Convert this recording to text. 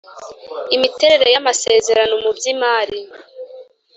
imiterere y amasezerano mu by imari